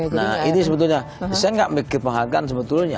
nah ini sebetulnya saya nggak kebahagiaan sebetulnya